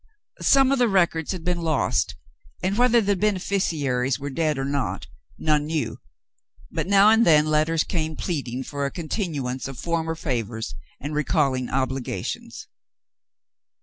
Some of the records had been lost, and whether the beneficiaries were dead or not, none knew, but now and then letters came pleading for a continuance of former favors, and recalling obligations.